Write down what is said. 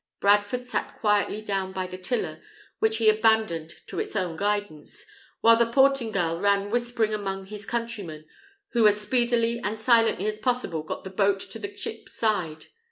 Bradford sat quietly down by the tiller, which he abandoned to its own guidance, while the Portingal ran whispering among his countrymen, who as speedily and silently as possible got the boat to the ship's side.